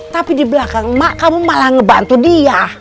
tapi di belakang mak kamu malah ngebantu dia